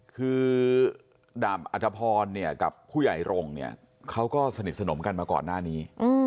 คือดาบอัธพรเนี่ยกับผู้ใหญ่รงค์เนี่ยเขาก็สนิทสนมกันมาก่อนหน้านี้